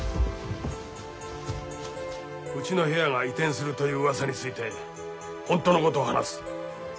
うちの部屋が移転するといううわさについて本当のことを話す。